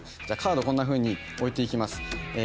じゃあカードこんなふうに置いていきます。